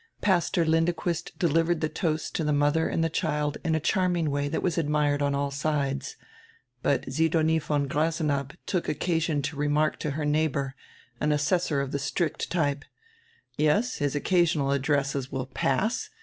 Pastor Lindequist delivered die toast to die modier and die child in a charming way that was admired on all sides. But Sidonie von Grasenabb took occasion to remark to her neighbor, an assessor of die strict type: "Yes, his occa sional addresses will pass.